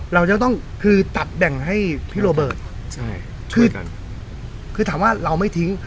เราจะต้องคือตัดแด่งให้พี่ใช่ช่วยกันคือคือถามว่าเราไม่ทิ้ง